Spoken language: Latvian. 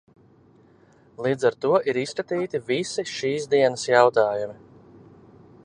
Līdz ar to ir izskatīti visi šīsdienas jautājumi.